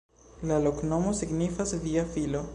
La loknomo signifas: via filo.